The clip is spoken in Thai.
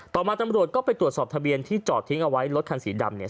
ต่อมาตำรวจก็ไปตรวจสอบทะเบียนที่จอดทิ้งเอาไว้รถคันสีดำเนี่ย